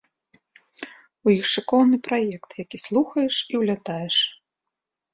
У іх шыкоўны праект, які слухаеш і ўлятаеш.